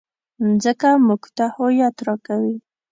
مځکه موږ ته هویت راکوي.